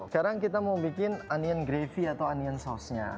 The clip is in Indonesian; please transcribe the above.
sekarang kita mau bikin onion gravy atau onion sauce nya